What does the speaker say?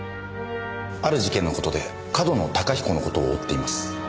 ある事件の事で上遠野隆彦の事を追っています。